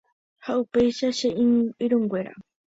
Ha upéicha che irũnguéra.